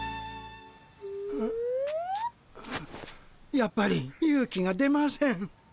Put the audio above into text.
やっぱり勇気が出ません。